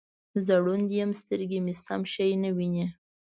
زه ړوند یم سترګې مې سم شی نه وینې